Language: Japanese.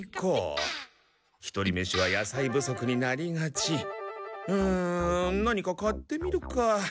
一人飯は野菜不足になりがちうん何か買ってみるか。